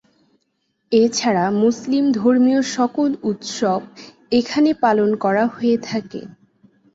এছাড়া মুসলিম ধর্মীয় সকল উৎসব এখানে পালন করা হয়ে থাকে।